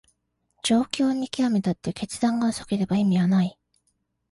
状況を見極めたって決断が遅ければ意味はない